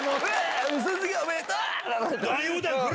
卒業おめでとう！」。